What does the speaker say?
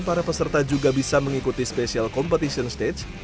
para peserta juga bisa mengikuti special competition stage